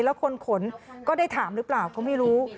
แล้วคนขนก็ได้ถามหรือเปล่าก็ไม่รู้